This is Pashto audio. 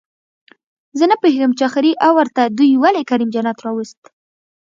زه نپوهېږم چې اخري اوور ته دوئ ولې کریم جنت راووست